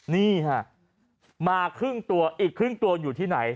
นี่ฮะมาครึ่งตัวอีกครึ่งตัวอยู่ที่ไหน